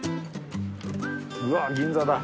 うわ銀座だ。